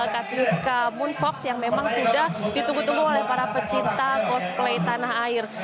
katiuska moon fox yang memang sudah ditunggu tunggu oleh para pecinta cosplay tanah air